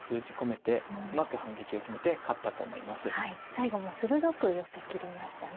最後も鋭く寄せきりましたね。